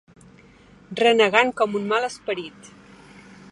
Renegant com un mal esperit.